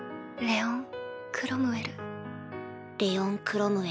レオン・クロムウェル。